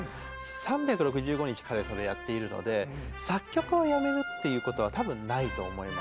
３６５日彼はそれをやっているので作曲をやめるっていうことは多分ないと思います。